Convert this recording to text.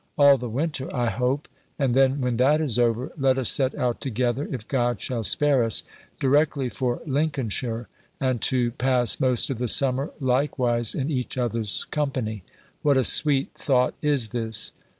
All the winter, I hope: and then, when that is over, let us set out together, if God shall spare us, directly for Lincolnshire; and to pass most of the summer likewise in each other's company. What a sweet thought is this!